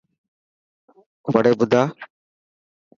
وڙي ٻڌا.